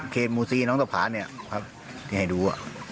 เคชมูศีนน้องตะพาสนี่ครับที่ให้ดู